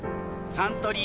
サントリー